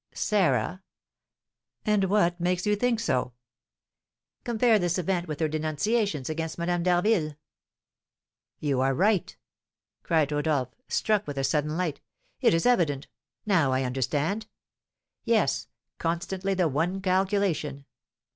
"Sarah! And what makes you think so?" "Compare this event with her denunciations against Madame d'Harville." "You are right!" cried Rodolph, struck with a sudden light, "it is evident now I understand. Yes, constantly the one calculation.